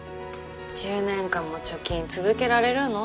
１０年間も貯金続けられるの？